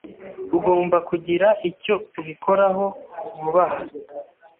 Ugomba kugira icyo ubikoraho vuba aha.